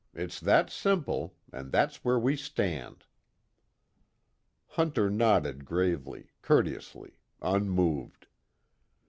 It's that simple, and that's where we stand." Hunter nodded gravely, courteously, unmoved.